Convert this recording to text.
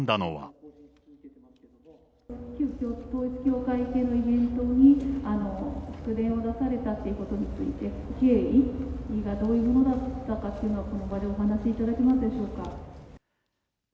旧統一教会系のイベントに祝電を出されたということについて、経緯がどういうものだったかというのをこの場でお話しいただけますでしょうか。